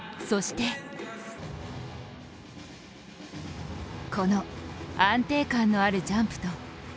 そして、この安定感のあるジャンプと。